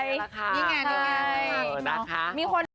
นี่ไงนี่ไง